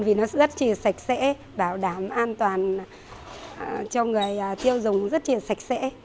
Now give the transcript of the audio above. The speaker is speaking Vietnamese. vì nó rất là sạch sẽ bảo đảm an toàn cho người tiêu dùng rất là sạch sẽ